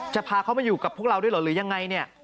จะพาเขามาอยู่กับพวกเราด้วยหรือยังไง